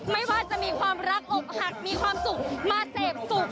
ไม่ว่าจะมีความรักอกหักมีความสุขมาเสพสุข